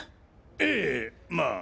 ええまあ。